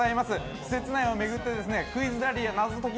施設内を巡ってクイズラリー謎解き